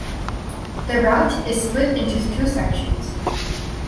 The route is split into two sections.